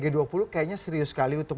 kayaknya serius sekali untuk